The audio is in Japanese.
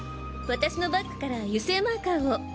私のバッグから油性マーカーを。